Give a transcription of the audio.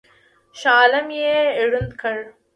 شاه عالم یې ړوند کړ.